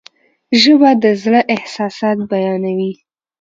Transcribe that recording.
ژبه د زړه احساسات بیانوي.